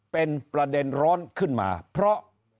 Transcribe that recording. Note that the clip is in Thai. เป็นประเด็นร้อนขึ้นมาเพราะ